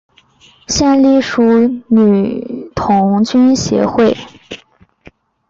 现隶属于世界女童军协会。